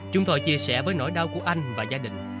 chúng tôi chia sẻ với nỗi đau của anh và gia đình